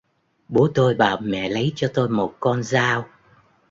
Bố tôi bảo mẹ lấy cho tôi một con dao